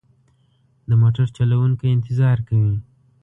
د موټر چلوونکی انتظار کوي.